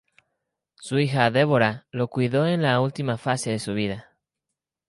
Su hija Deborah lo cuidó en la última fase de su vida.